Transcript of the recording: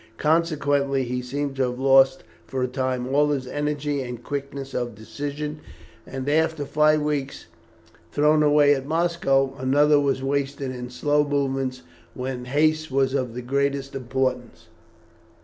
Consequently he seemed to have lost for a time all his energy and quickness of decision, and after five weeks thrown away at Moscow, another was wasted in slow movements when haste was of the greatest importance.